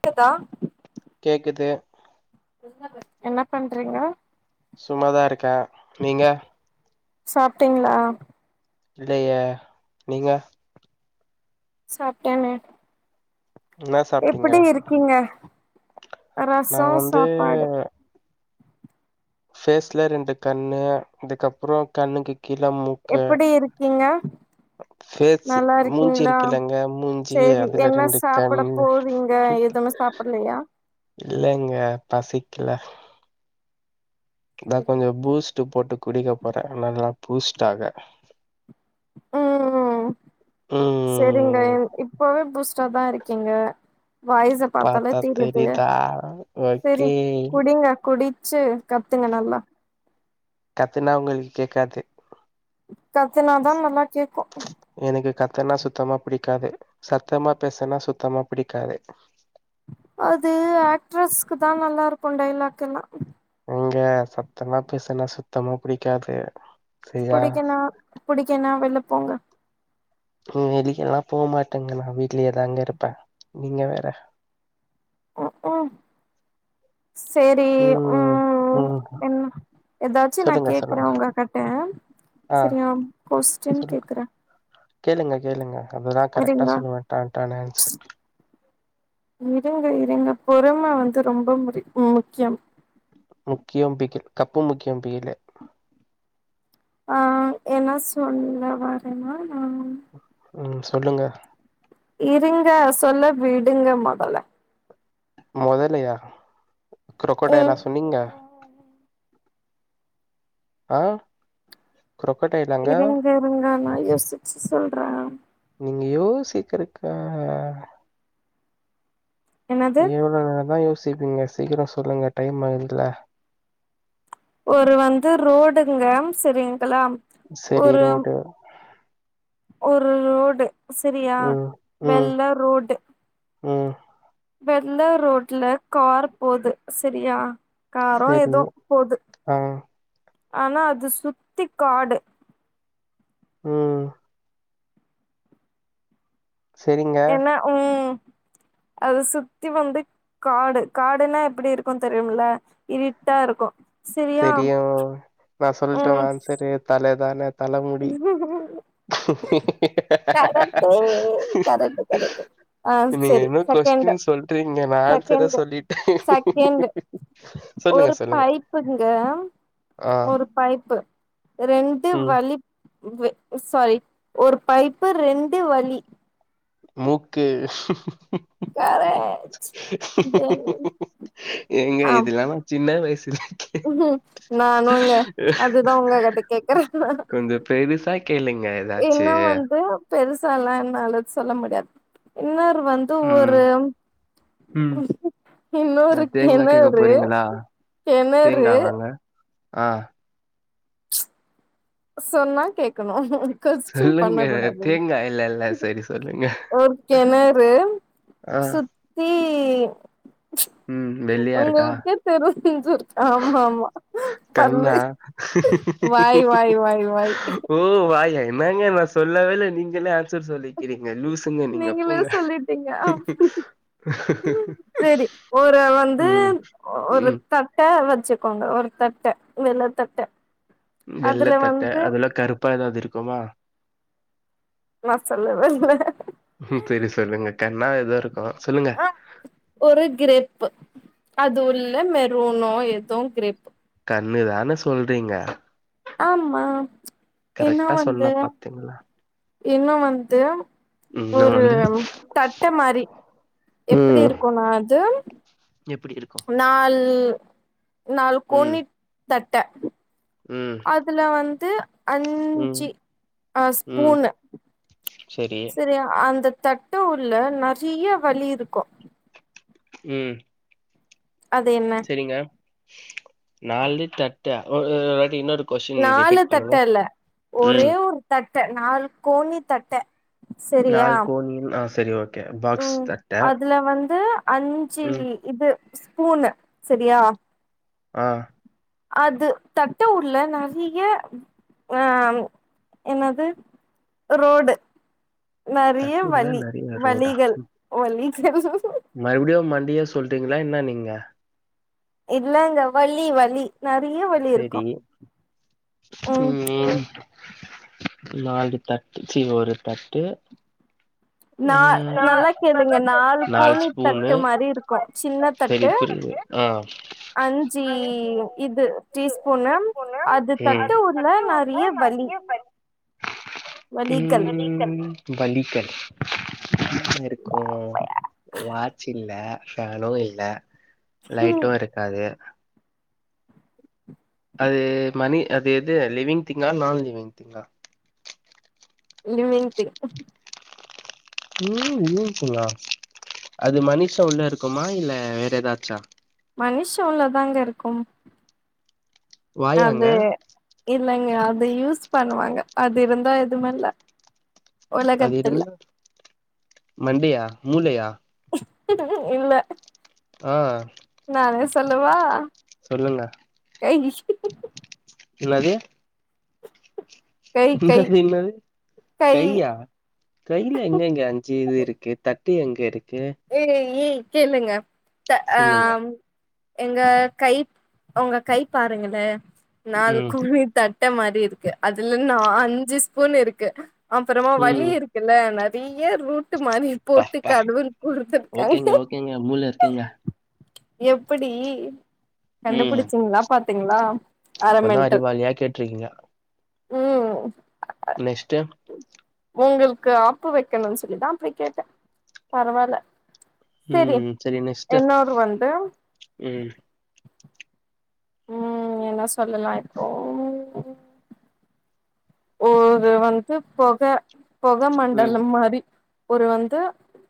க்குதா கேக்குது என்ன பண்றீங்க சும்மாதா இருக்க நீங்க சாப்ட்டீங்ளா இல்லையே நீங்க சாப்ட்டனே என்ன சாப்ட்டீங்க எப்படி இருக்கீங்க நா ரசோ வந்து சாப்பாடு பேஸ்ல ரெண்டு கண்ணு அதுக்கப்புறோ கண்ணுக்கு கீழ மூ எப்படி இருக்கீங்க ஃபேஸ் நல்லா மூஞ்சி இருக்கீங்களா இருக்குல்லங்க மூஞ்சி செரி அதுல என்ன ரெண்டு சாப்பிட கண்ணு போறீங்க எதுமே சாப் பல்லையா இல்லங்க பசிக்கில இதா சேரி கொஞ்சு பூஸ்ட்டு போட்டு குடிக்க போறே நல்லா பூஸ்ட்டாக ம் ம் ம் செரிங்க இப்பவே பூஸ்டாதா இருக்கீங்க வாய்ச பாத்தாலே பாத்தா தெரிது தெரியுதா செரி ஓகே குடிங்க குடிச்சு கத்துங்க நல்லா கத்துனா உங்ளுக் கேக்காது கத்துனாதா நல்லா கேக்கு எனக்கு கத்தனா சுத்தமா புடிக்காது சத்தமா பேசனா சுத்தமா புடிக்காது அது ஆக்ட்ரஸ்குதா நல்லாருக்கு டைலாக் எல்லா எங்க சத்தமா பேசனா சுத்தமா புடிக்காது புடிக்கல்னா புடிக்கல்னா வெள்ள போங்க ம் வெளியெல்லா போ மாட்டேங்க நா வீட்லயே தாங்க இருப்பே நீங்க வேற ம் ம் சேரி ம் என்ன எதாச்சு நா சொல்லுங்க கேக்குறே சொல்லுங்க உங்க கட்ட ஆ செரியா கோஸ்டின் சொல்லு கேக்குறே கேளுங்க கேளுங்க அதுதா கரெக்டா இருங்க சொல்லுவே டான் டான்னு ஆன்சர் இருங்க இருங்க பொறும வந்து ரொம்ப முடி முக்கியம் முக்கியோ பிகில் கப்பு முக்கியோ பிகுலு ஆ என்ன சொல்ல வரனா நா ம் சொல்லுங்க இருங்க சொல்ல விடுங்க மொதல்ல முதலயா க்ரொக்கொடைலா ம் சொன்னிங்க ஆ க்ரொக்கடைலா இருங்க இருங்க நா யோசிச்சு சொல்றே நீங்க யோசிக்குறக்கா என்னது எவ்ளோ நேரோதா யோசிப்பீங்க சீக்கிரோ சொல்லுங்க டைம் ஆகுதுல ஒரு வந்து ரோடுங்க செரிங்களா சரி ஒரு ரோடு ஒரு ரோடு செரியா ம் ம் வெள்ள ரோடு ம் வெள்ள ரோட்ல கார் போது செரியா காரோ சரி எதோ போது ஆ ஆனா அது சுத்தி காடு ம் சரிங்க எனா ம் அது சுத்தி வந்து காடு காடுனா எப்டி இருக்கு தெரியுமுல இருட்டா இருக்கு செரியா தெரியு நா சொல்டுமா ஆன்சரு தலதான உஹ கரெக்டு கரெக்டு கரெக்டு ஆ நீங்க செரி இன்னு செகண்டு கொஸ்டின் சொல்றீங்க நா ஆன்சரே செகண்டு சொல்லிட்ட செகண்டு சொல்லுங்க சொல்லுங்க ங்க ஆ ஒரு பைப்பு ரெண்டு ம் வழி வெ சாரி ஒரு பைப்பு ரெண்டு வழி மூக்கு கரெக்ட் தென் ஏங்க ஆ இதுலா நா சின்ன வய்சுலயே நானுங்க அதுதா உங்க கிட்ட கேக்குறனா பேருசா கேளுங்க ஏதாச்சு இன்னோ வந்து பெருசாலா என்னால சொல்ல முடியாது இன்னொரு வந் து ம் ஒரு ம் நா இன்னோரு தேங்கா கேக்க கெணறு போறீங்களா கெணறு அ சொன்னா கேக்கணு கொஸ்டின் சொல்லுங்க பண்ணக் கூடாது தேங்கா இல்ல இல்ல சரி ஒரு கெணறு அ தி ம் வெள்ளையா இருக்கா உங்களுக்கே தெருஞ்சுரு ஆமா ஆமா பல்லு கண்ணா வாய் வாய் வாய் வாய் ஓ வாயா என்னாங்க நா சொல்லவே இல்ல நீங்களே ஆன்சர் சொல்லி கிறிங்க லூசுங்க நீங்க நீங்களே போங்க சேரி ஒரு வந்து ம் ஒரு ம் த ட்ட வச்சுக்கோங்க ஒரு தட்ட வெள்ள தட்ட அதுல வெள்ளதட்ட வந்து அதுல கருப்பா ஏதாவது இருக்குமா நா சொல்லவேல்ல சரி சொல்லுங்க கண்ணா எதா இருக்கு சொல்லுங்க ஆ ஒரு கிரிப்பு அது உள்ள மெரூனோ எதோ கிரிப்பு கண்ணுதான சொல்றீங்க ஆமா என்ன கரக்டா சொன்னா வந்து பாத்தீங்ளா இன்னு வந்து ஒரு வந்து தட்டு மாரி எப்டி ம் இருக்குனா அது எப்டி இரு நால் நால் ம் கோனி தட்ட ம் அதுல வந்து ம் அஞ்சு அ ம் ஸ்பூனு சரி சரியா அந்த தட்டு உள்ள நெறையா வலி இருக்கு ம் அது என்ன ங்க நாலு தட்ட ஒருவாட்டி இன்னோரு நாலு தட்ட இல்ல ஒரே ம் ஒரு தட்ட நாலு கோனி தட்ட செரியா நாலு கோனி ஆ சரி ஓ ம் அதுல வந்து அஞ்சு ம் இது ஸ்பூனு சரியா ஆ அது தட்ட உள்ள நெறைய ஆ என்னாது ரோடு நெறைய தட்டுள்ள வழி நெறைய ரோடா வழிகள் வழிகள் மறுபடியு மண்டயா சொல்றீங்களா என்னா நீங்க இல்லங்க வழி வழி நெறைய வழி இருக்கு சேரி ம் நாலு தட்டு சீ ஒரு தட்டு நா ம் நல்லா கேளுங்க நாலு கோணி ஸ்பூனு தட்டு மாரி இருக்கு செரி புரிது ஆ அஞ்சி இது டீஸ்பூனு அது ம் தட்டு உள்ள நெறைய வழி வழிகள் ம் வழிகள் இருக்கு வாட்ச் இல்ல ஃபேனு இல்ல லைட்டு இருக்காது அது மணி அது இது லிவிங் திங்கா நான் லிவிங் திங்கா லிவிங் திங் ம் ம் குங்ளா அது மனுஷ உள்ள இருக்குமா இல்ல வேற ஏதாச்சா மனுஷ உள்ள தாங்க இருக்கு வாயாங்க அது இல்லங்க அது யூஸ் பண்ணுவாங்க அது இருந்தா எதுமேல்ல அது இருந்தா மண்டயா மூளையா இல்ல ஆ நானே சொல்லவா சொல்லல ஏ இல்லாது கை கை என்னாது என்னாது கை கையா கையில எங்க எங்க அஞ்சு இது இருக்கு தட்டு எங்க இருக்கு ஏ ஏய் கேளுங்க ட சொல்லுங்க ஆம் எங்க கை ஒங்க கை பாருங்களே நாள் ம் குவி த ட்ட மாரி இருக்கு அதுல நா அஞ்சு ஸ்பூன் இருக்கு அப்பறமா வலி ம் இருக் குல்ல நெறைய ரூட்டு மாரி பா போட்டு பா கடவு இருக்காங்க ஓகேங்க ஓகேங்க மூள இருக்குங்க எப்படி ம் கண்டுபிடிச்சீங்களா பாத்தீங்களா அர இப்பதா மெண்டல் அறிவாளியா கேட்டிருக்கீங்க ம் நெக்ஸ்ட்டு உங்களுக்கு ஆப்பு வைக்கணுனு சொல்லிதா அப்படி கேட்டே பரவால்ல செரி ம் சரி நெக்ஸ்ட்டு என்னோடு வந்து ம் என்னா சொல்லலா இப்போ ஒரு வந்து பொக பொக ம் மண்டலம் மாரி ஒரு வந்து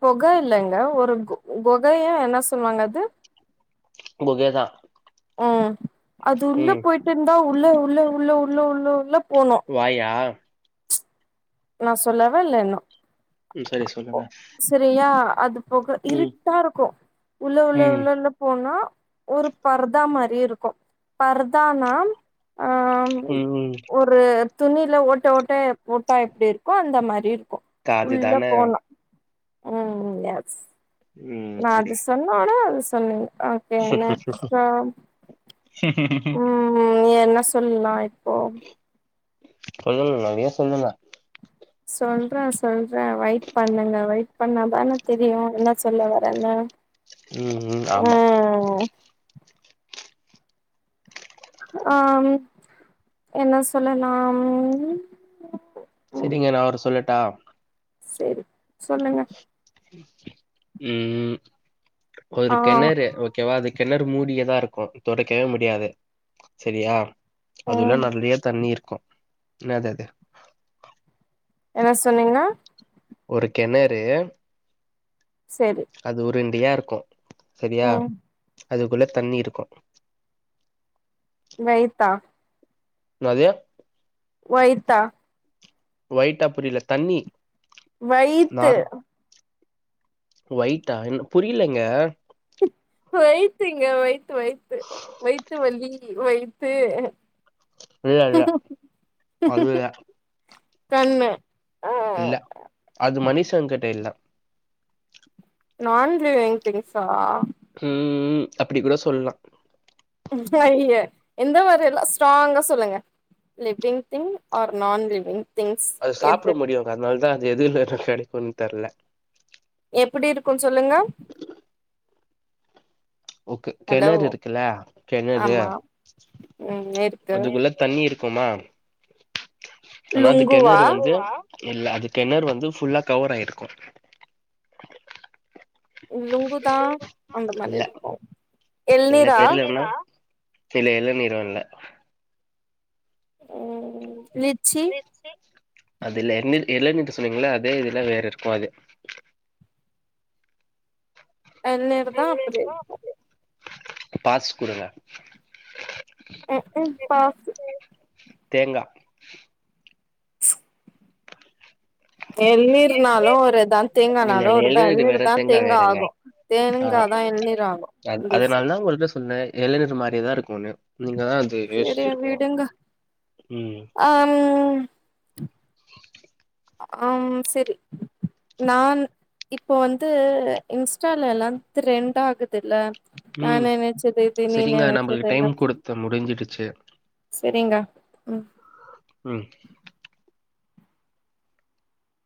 கொகை இல்லங்க ஒரு கொகைய என்னா சொல்லுவாங்க அது கொகைதா ம் அது உள்ள போயிட்ருந்தா உள்ள உள்ள உள்ள உள்ள உள்ள உள்ள போனு வாயா நா சொல்லவா இல்ல இன்னு ம் சரி சொல்லுங்க சரியா அது போக ம் இருட்டா இருக்கு உள்ள உள்ள ம் உள்ள உள்ள போனா ஒரு பர்தா மாரி இருக்கு பர்தான்னா ஆம் ம் ம் ஒரு துணியில ஓட்ட ஓட்டயாப் போட்டா எப்டி இருக்கோ அந்த மாரி இருக்கு உள்ள அதுதான போலா ம் ம் எஸ் ம் ந சரி அது சொன்ன ஒனே அது சொன்னீங்க ஓகே நெஸ்ட்டோ என்ன சொல்லலா இப்போ சொல்லல நெறையா சொல்லுங்க சொல்றே சொல்றே வெயிட் பண்ணுங்க வெயிட் பண்ணாதானே தெரியு என்னா சொல்ல வரேனு ம் ம் ஆமா ஆம் என்ன சொல்லலாம் சரிங்க நா அவர் சொல்லட்டா சரி சொல்லுங்க ம் ஒரு ஆ கெண்ணறு ஓகேவா அது கெணறு மூடியதா இருக்கு தொறக்கவே முடியாது சரியா அது ம் உள்ள நெறய தண்ணி இருக்கு என்னாதது என்ன சொல்லுங்க ஒரு கெணறு செரி அது உருண்டயா இருக்கு சரியா ம் அதுக்குள்ள தண்ணி இருக்கு வெயத்தா என்னாது ஒய்த்தா ஒயிட்டா புரியல தண்ணி வயித்து நார் ஒயிட்டா எனக் புரிலங்க வயித்துங்க வயித்து வயித்து வயித்து வலி வயித்து இல்ல இல்ல அது இல்ல கண்ணு அ இல்ல அது மனுஷன் கிட்ட இல்ல நான் லீவிங் திங்ஸா ம் ம் அப்படி கூட சொல்லா ஐய எந்த விரல்லா ஸ்ட்ராங்கா சொல்லுங்க லிவிங் திங்க் ஆர் நான் லிவிங் திங்ஸ் அது சாப்ட எது முடியு அதுனாலதா அது எதுவுலருந்து கிடைக்குன் தெர்ல எப்டி இருக்குன் சொல்லுங்க ஓகே ஹலோ கெணறு இருக்குல்ல கெணறு ஆமா ம் இருக்கு அதுக்குள்ள தண்ணி இருக்குமா ஆனா அது லுங்குவா கெணறு வந்து இல்ல அது கெணர் வந்து ஃபுல்லா கவர் ஆய்ருக்கு லுங்குதா அந்த மாரி இல்ல இருக்கு இல்ல எள்நீரா தெரியலன்னா இல்ல இளநீறு இல்ல லிச்சி அது இல்ல எள்நீர் இளநீர் சொன்னீங்கள அதே இதுல வேற இருக்கு அது இளநீர் தா அப்டி இருக்கு பாஸ் குடுங்க அப்ற பாஸ்ஸு தேங்கா எள்நீர்னாலு ஒருதா இல்ல தேங்கானாலு இல்ல ஒருதா இளநீர் வேற எள்நீர்தா தேங்கா வேறங்க. ஆகு ஆ தேங்கா தா எள்நீர் ஆகு அ லூசு அதனாலதா உங்கள்ட்ட சொன்ன இளநீர் மாரிதா இருக்குன்னு நீங்கதா அது சரி யோசிச்சிருக்கணும். விடுங்க ம். அம் அம் சரி நான் இப்போ வந்து இன்ஸ்டால எல்லாம் ட்ரெண்ட் ஆகுதுல்ல நா ம். நெனச்சது எதுமே சரிங்க. நம்மளுக்கு நெனச்சது டைம் எல்லாம் சரி குடுத்து முடிஞ்சிடுச்சு சரிங்க ம் ம்